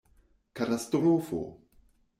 Katastrofo!